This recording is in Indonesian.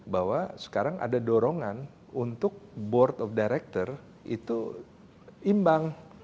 bahwa sekarang ada dorongan untuk board of director itu imbang